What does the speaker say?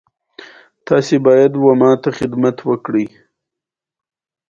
د غنمو لومړۍ اوبه کله ورکړم؟